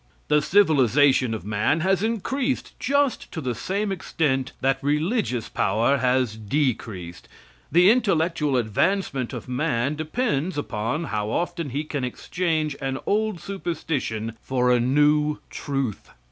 The civilization of man has increased just to the same extent that religious power has decreased. The intellectual advancement of man depends upon how often he can exchange an old superstition for a new truth.